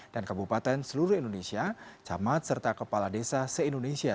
dan kebupatan seluruh indonesia camat serta kepala desa se indonesia